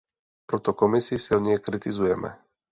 Proto Komisi silně kritizujeme.